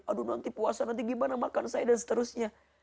aduh nanti puasa nanti gimana makan saya dan seterusnya